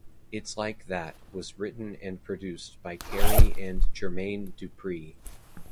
"It's Like That" was written and produced by Carey and Jermaine Dupri.